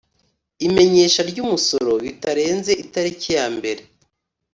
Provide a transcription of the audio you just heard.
imenyesha ry umusoro bitarenze itariki ya mbere